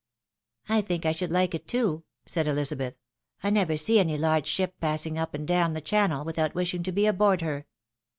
" I think I should like it too," said Elizabeth. " I never see any large ship passing up and down the channel, without wishing to, be aboard her."